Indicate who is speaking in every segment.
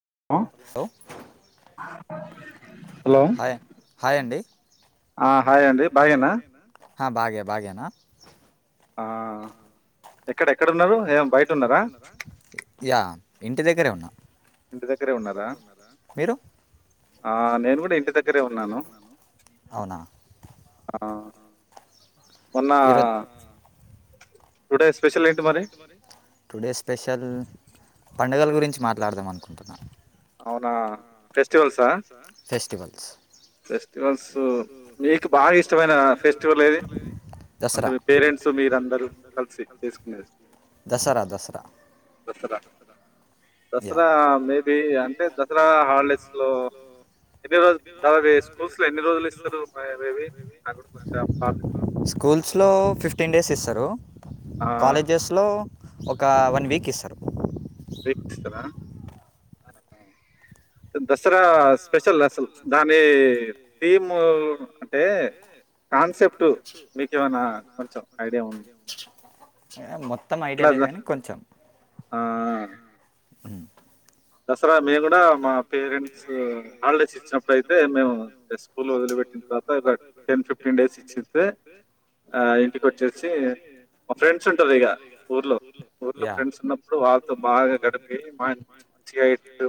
Speaker 1: ఆహ్
Speaker 2: hi hi అండి.
Speaker 1: Ah hi అండి బాగేనా.
Speaker 2: ఆహ్ బాగే బాగేనా.
Speaker 1: ఆహ్ ఎక్కడ ఎక్కడన్నారు ఏం.
Speaker 2: యా. ఇంటి దగ్గరే ఉన్నాం. మీరు.
Speaker 1: ఆహ్. నేను కూడా ఇంటి దగ్గరే ఉన్నాను ఆహ్. ఉన్నా.
Speaker 2: Today special. పండుగల గురించి మాట్లాడదాం అనుకుంటున్నాను. ఫెస్టివల్స్ దసరా.
Speaker 1: చేసుకునేది దసరా దసరా మికు.
Speaker 2: స్కూల్స్ లో ఫిఫ్టీన్ డేస్ ఇస్తారు. కాలేజెస్లో. ఒక వన్ వీక్ ఇస్తారు.
Speaker 1: ఎన్ దసరా స్పెషల్ అసలు. దాని థీమ్ అంటే
Speaker 2: ఏ మొ
Speaker 1: ఇట్లా రా ఆ
Speaker 2: ఉమ్
Speaker 1: దసరా మేము కూడా మా పేరెంట్స్ హాలిడేస్ ఇచ్చినప్పుడు అయితే మేము ర ఎ స్కూల్ వదిలిపెట్టిన తర్వాత ఒక టెన్ ఫిఫ్టీన్,
Speaker 2: యా,
Speaker 1: మంచిగవెట్టు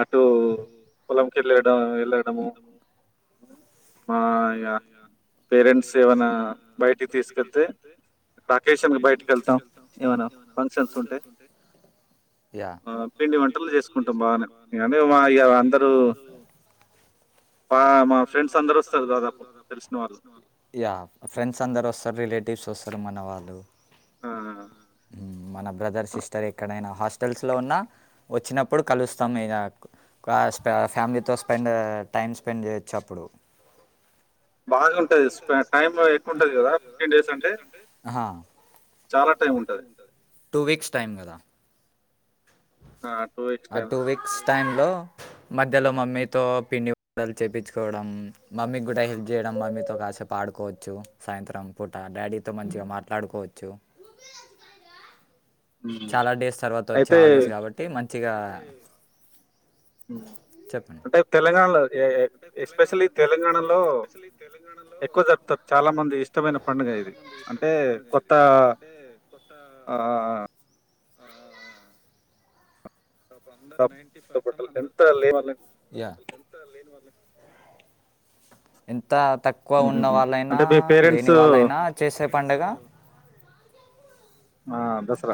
Speaker 1: అటు పొలంకి వెళ్ళడం వెళ్ళడము ఆ ఇగ
Speaker 2: యా
Speaker 1: ఆ పిండి వంటలు చేసుకుంటాం బానే అంటే మా ఇగ అందరు, ఆ మా ఫ్రెండ్స్ అందరు వస్తారు దాదాపు తెలుసు.
Speaker 2: యా ఫ్రెండ్స్ అందరు వస్తారు రిలేటివ్స్ వస్తరు మన వాళ్ళు
Speaker 1: హాఆ
Speaker 2: ఊమ్ మన బ్రదర్ సిస్టర్ ఎక్కడైనా హాస్టల్స్లో ఉన్న వచ్చినప్పుడు కలుస్తాం మీద కాస్త ఫ్యామిలీతో స్పెండ్ టైం స్పెండ్ చేచ్చప్పుడు బాగుంటది స్ప టైమ్ ఎకువుంటది కదా ఫిఫ్టీన్ డేస్ అంటే ఆహా చాలా టైమ్ ఉంటది టూ వీక్స్ టైమ్ కదా
Speaker 1: ఆ టూ వీక్స్ టైమ్
Speaker 2: టైంలో మధ్యలో మమ్మీతో పిండి వం లు చేపిచుకోవడం మమ్మీ కూడా హెల్ప్ చేయడం మమీద్ సో పాడుకోవచ్చు సాయంత్రం పూట డాడీతో మంచిగా మాట్లాడుకోవచ్చు చాలా డేస్ తర్వాత వచ్చే హాలిడేస్ కాబట్టి మం ఇగ
Speaker 1: అంటే తెలంగాణలో
Speaker 2: అంటే తెలంగాణలో ఎస్పెషలీ తెలంగాణలో ఎక్కువ జర్ప్ తార్ చాలా మంది ఇష్టమైన పండుగ ఇది అంటే కొత్తా సబ్ అందర్ నైన్టీ పర్సన్ అందర్ తీసుకుంటారు ఎంత లేని వాళ్ళై ఎన్ త తక్కువ ఉన్న వాళ్ళైనా లేని వాళ్ళైనా చేసే పండగ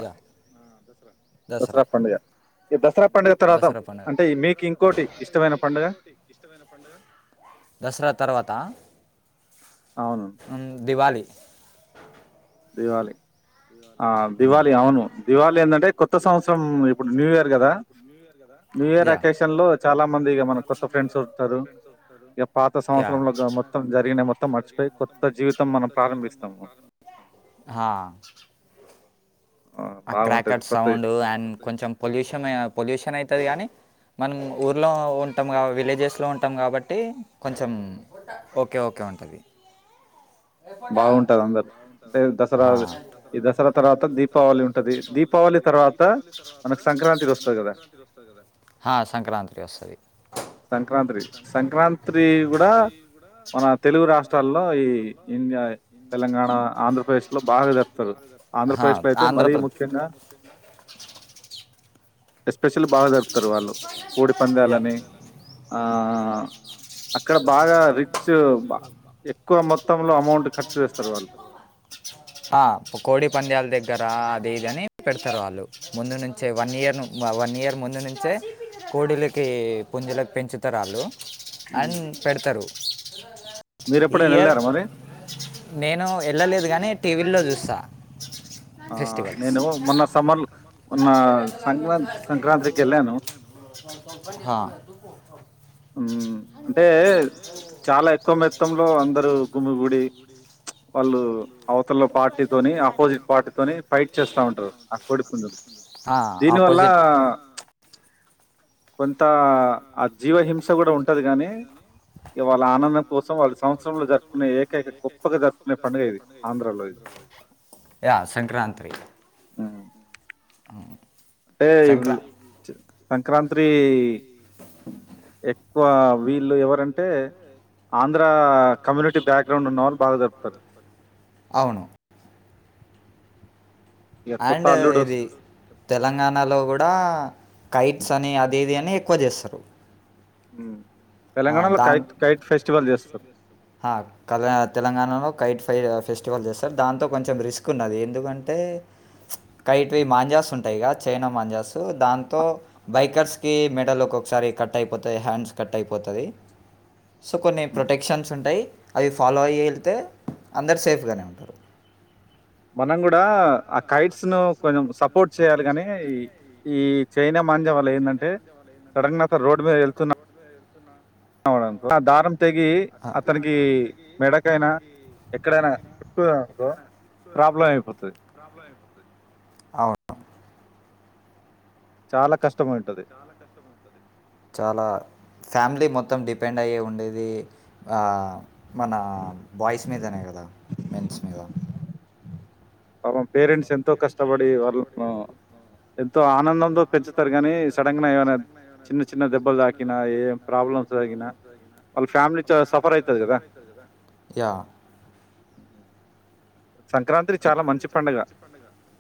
Speaker 2: య దసరా దసరా పండగ దసరా తర్వాత ఉమ్ దివాళి
Speaker 1: దివాళి
Speaker 2: దివాళి ఉమ్ దివాళి ఏందంటే కొత్త సంవత్సరం ఇప్పుడు న్యూ ఇయర్ కదా యా న్యూ ఇయర్ అకేషన్ లో చాలా మంది ఇగ మన కొత్త ఫ్రెండ్స్ దొరుక్తారు యా ఇగ పాత సంవత్సరంలో గ మొత్తం జరిగినవి మొత్తం మర్చిపోయి కొత్త జీవితం మనం ప్రారంభిస్తాము హా ఆ క్రాకర్ సౌండు అండ్ కొంచెం పొల్యూషమే పొల్యూషన్ ఐతది గానీ మనం ఊర్లో ఉంటాము కా విలేజెస్లో ఉంటాం కాబట్టి కొంచెం ఓకే ఓకే ఉంటది హా సంక్రాంతి కే వస్తది
Speaker 1: సంక్రాంత్రి సంక్రాంతి కూడా మన తెలుగు రాష్ట్రాల్లో ఈ
Speaker 2: హ ఆంధ్రప్రద్
Speaker 1: ఎస్పెషల్లీ బాగా జరుపుతారు వాళ్ళు కోడి పందాలని ఆ ఆ ఆ అక్కడ బాగా రిచ్ ఎక్కువ మొత్తంలో అమౌంట్ ఖర్చు చేస్తారు వాళ్ళు
Speaker 2: రా అది ఇది అని పెడతారు వాళ్ళు ముందు నుంచే వన్ ఇయర్ నున్ వన్ ఇయర్ ముందు నుంచే కోడిలకి పుంజులకు పెంచుతారు ఆళ్ళు అన్ పెడతారు హలో ఈ ఇయర్ నేను ఎళ్ళలేదు కానీ టీవీల్లో చూస్తా స
Speaker 1: ఆ నేను మొన్న సమ్మర్లు్
Speaker 2: [inaudible] హ [unintelligible] [inaudible] చాలా ఇష్టమేష్టంలో వస్తారు.
Speaker 1: వాళ్ళు అవతల్లో పార్టీతోని ఆపోజిట్ పార్టీతోని ఫైట్ చేస్తా ఉంటారు ఆ కోడి పుంజులు దీని వల్లా కొంతా ఆ జీవహింస్ స కూడా ఉంటది గాని ఇగ వాళ్ళ ఆనందం కోసం వాళ్ళ సంవత్సరంలో జరుపుకునే ఏకైక గొప్పగా జరుపుకునే పండుగ ఇది ఆంధ్రలో ఇది అంటే ఇపుడు సంక్రాంతి.. ఈ ఎక్కువ వీళ్ళు ఎవరంటే ఆంధ్ర ఆ కమ్యూనిటీ బ్యాక్గ్రౌండ్ ఉన్న వాళ్ళు బాగా జరుపుతారు
Speaker 2: అవును అండ్ ఇది తెలంగాణలో కూడా కైట్స్ అని అది ఇది అని ఎక్కువ చేస్తారు
Speaker 1: హుమ్...
Speaker 2: దాన్ హ తెలంగాణలో కైట్ ఫై. ఫెస్టివల్ చేస్తారు దాంతో కొంచెం రిస్క్ఉన్నది ఎందుకంటే కైట్వి మాంజాస్ ఉంటాయి గా చైనా మాంజాస్ దాంతో బైకర్స్కి మెడల్ ఒకొసారి కట్ అయిపోతాయి హ్యాండ్స్ కట్ అయిపో. పోతది సో కొన్ని ప్రొటెక్షన్స్ ఉంటాయి అవి ఫాలో అయ వెళ్తే అందరు సేఫ్గానే ఉంటారు
Speaker 1: మనం గూడా ఆ కైట్స్ ను కొంచెం సపోర్ట్ చేయాలి గాని ఈ చైనా మంజా వల్ల ఏందంటే సడన్ గా అతన్ రోడ్ మీద వెళ్తున్న ఆ దారం తేగి అతనికి మెడకైనా ఎక్కడైనా చుట్టు కుంది అనుకో
Speaker 2: అవును
Speaker 1: చాలా కష్టమైంటది
Speaker 2: చాలా ఫ్యామిలీ మొత్తం డిపెండ్ అయ్యే ఉండేది హ. మన బాయ్స్ మీదనే కదా మెన్స్ మీద
Speaker 1: తరం పేరెంట్స్ ఎంతో కష్టపడి వాళ్ళను ను ఎంతో ఆనందంతో పెంచుతారు
Speaker 2: యా.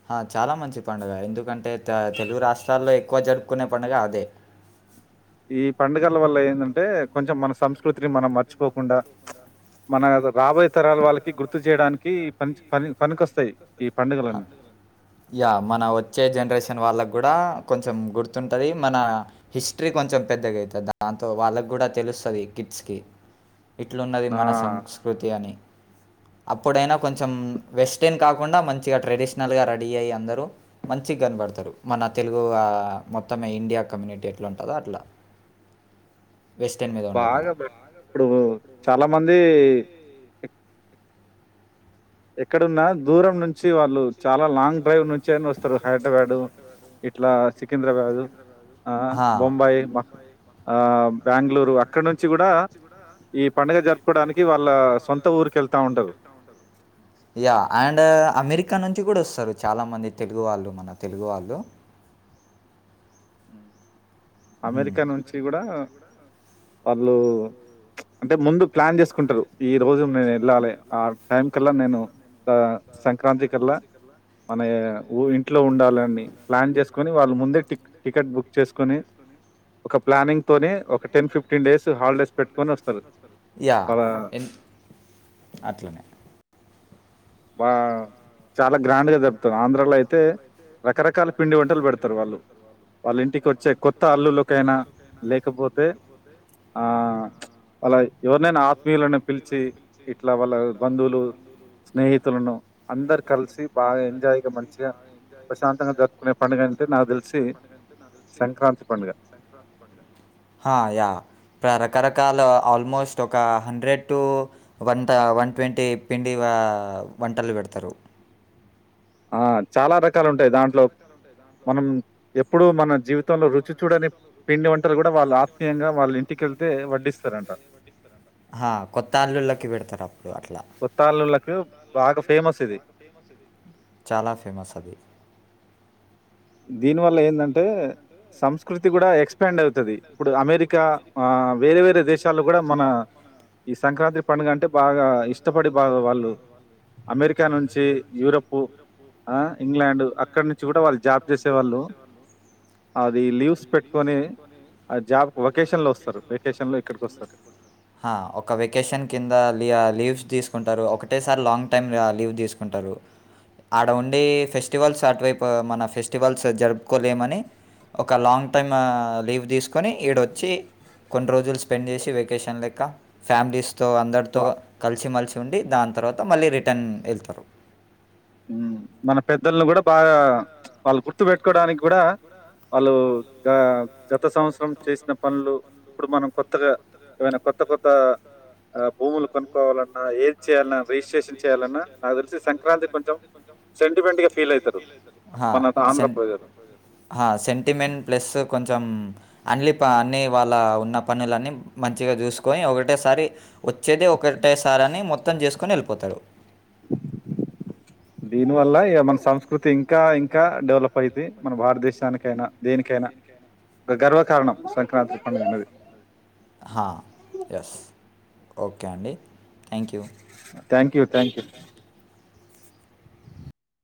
Speaker 2: హ చాలా మంచి పండుగ ఎందుకంటే తెలుగు రాష్ట్రాల్లో ఎక్. ఎక్కువ జరుపుకునే పండగ అదే
Speaker 1: ఈ పండుగల వల్ల ఏందంటే కొంచెం మన సంస్కృతిని మనం మర్చిపోకుండా మన రాబోయే తరాల వాళ్ళకి గుర్తు చేయడానికి పని ప పనికోస్తాయి
Speaker 2: హ యా మన వచ్చే జనరేషన్ వాళ్ళకి గూడా కొంచెం గుర్తుంటది మన హిస్టరీ కొంచెం పెద్దగా ఐతది దాంతో వాళ్ళకి కూడా తెలుస్తది కిడ్స్ కి ఇట్లు ఉన్నది మన సంస్కృతి అని అప్పుడైనా కొంచెం వెస్ట్రన్ కాకుండా మన్.. మంచిగా ట్రెడిషనల్గా రెడీ అయ్యి అందరూ మంచిగా కనపడతారు మన తెలుగు ఆ మొత్తం ఇండియా కమ్యూనిటీ ఎట్లా ఉంటుందో అట్లా
Speaker 1: బాగా బెడ్ ఇప్పుడు చాలా మంది ఎక్కడ ఉన్నా దూరం నుంచి వాళ్ళు చాలా లాంగ్ డ్రైవ్ నుంచి అయినా వస్తారు హైదరాబాదు ఇట్లా సికింద్రాబాదు ఆ బొంబాయి మా ఆ బెంగళూరు అక్కడ నుంచి కూడా ఈ పండుగ జరుపుకోడానికి వాళ్ళ సొంత ఊరికి వెళ్తా ఉంటరు
Speaker 2: యా అండ్ అమెరికా నుంచి కూడా వస్తారు చాలా మంది తెలుగు వాళ్ళు మన తెలుగు వాళ్ళు
Speaker 1: ఉ అమెరికా నుంచి గూడా వాళ్ళు అంటే ముందు ప్లాన్ చేసుకుంటారు ఈ రోజు నేను వెళ్ళాలి ఆ టైం కళ్ళ నేను ద సంక్రాంతి కళ్ళ మన ఊ ఇంట్లో ఉండాలని ప్లాన్ చేసుకొని వాళ్ళు ముందే టిక్ టికెట్ బుక్ చేసుకొని ఒక ప్లానింగ్ తోని ఒక టెన్ ఫిఫ్టీన్ డేస్ హాలిడేస్ పెట్టుకొని వస్తారు
Speaker 2: యా ఎన్ అట్లనే
Speaker 1: బా చాలా గ్రాండ్ గా జరుపుతారు ఆంధ్రాలో అయితే రకరకాల పిండి వంటలు వెడతారు వాళ్ళు వాళ్ళ ఇంటికి వచ్చే కొత్త అల్లులు కైనా లేకపోతే ఆ వాళ్ళ ఎవరినైనా ఆత్మీయు లను పిలిచి ఇట్లా వాళ్ళ బంధువులు స్నేహితులను అందరు కలిసి బాగా ఎంజాయ్ గా మంచిగా ప్రశాంతంగా జరుపుకునే
Speaker 2: మంచిగా ప్రశాంతంగా జరుపుకునే పండుగ అంటే నాకు తెలిసి సంక్రాంతి పండుగ హ య ప్రారక్ రకరకాల ఆల్మోస్ట్ ఒక హండ్రెడ్ టు వంట వన్ ట్వంటీ పిండి వంటలు వెడుతారు
Speaker 1: ఆ చాలా రకాలు ఉంటాయి దాంట్లో మనం ఎప్పుడు మన జీవితంలో రుచి చూడని పిండి వంటలు కూడా వాళ్ళు ఆత్మీయంగా వాళ్ళు ఇంటికెళ్తే వడ్డిస్తారంట
Speaker 2: ఆ కొత్త అల్లుల్లకి వేడుతరం
Speaker 1: కొత్త అల్లులకు బాగా ఫు ఫేమస్ ఇది
Speaker 2: చాలా ఫేమస్ అది
Speaker 1: దీనివల్ల ఏంది అంటే సంస్కృతి కూడా ఎక్స్పాండ్ అవుతుంది ఇప్పుడు అమెరికా ఆ వేరే వేరే దేశాల్లో కూడా మన ఈ సంక్రాంతి పండుగ అంటే బాగా ఇష్టపడి బాగా వాళ్ళు అమెరికా నుంచి యూరప్ ఆ ఇంగ్లాండ్ అక్కడ నుంచి కూడా వాళ్ళు జాబ్ చేసేవాళ్ళు అది లీవ్స్ పెట్టుకొని
Speaker 2: ఆ జాబ్ వెకేషన్ లో వస్తారు వెకేషన్ లో ఇక్కడికి వస్తారు హ ఒక వెకేషన్ కింద లీవ్స్ తీసుకుని తీకుంటారు ఒకటేసారి లాంగ్ టైమ్ లీవ్ తీసుకుంటారు ఆడ ఉండే ఫెస్టివల్స్ అటువైపు మన ఫెస్టివల్స్ జరుపుకోలేమని ఒక లాంగ్ టైం లీవ్ తీసుకొని ఈడకొచ్చి కొన్ని రోజులు స్పెండ్ చేసి వెకేషన్ లెక్క ఫ్యామిలీస్ తో అందరితో కలిసి మలిసి ఉండి దాని తర్వాత మళ్ళీ రిటర్న్ వెళ్తారు
Speaker 1: మన పెద్దలను కూడా బాగా వాళ్ళు గుర్తు పెట్టుకోడానికి కూడా వాళ్ళు గ గత సంవత్సరం చేసిన పనులు ఇప్పుడు మనం కొత్తగా ఏమైనా కొత్త కొత్త ఆ భూములు కొనుకొవాలన్నా ఏది చేయాలన్నా రిజిస్ట్రేషన్ చేయాలన్నా నాకు తెలిసి సంక్రాంతి కొంచెం సెంటిమెంట్ గా ఫీల్ అయితారు
Speaker 2: హా సెం సెంటిమెంట్ ప్లస్ కొంచెం అన్ని ప అన్ని వాళ్ళ ఉన్న పనులన్నీ మంచిగా చూసుకొని ఒకటేసారి వచ్చేది ఒకటేసారి అన్ని మొత్తం చేసుకుని వేళ పోతడు
Speaker 1: దీనివల్ల ఇ మన సంస్కృతి ఇంకా ఇంకా డెవలప్ అయింది మన భారతదేశానికైనా దేనికైనా ఒక గర్వకారణం సంక్రాంతి పండుగ అనేది
Speaker 2: హా యస్ ఒకే అండి
Speaker 1: థ్యాంక్ యూ థ్యాంక్ యూ